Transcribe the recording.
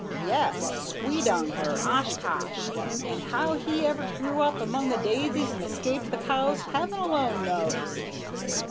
"Yes, Squeedunk or Oshkosh, and how he ever grew up among the daisies and escaped the cows, Heaven alone knows!"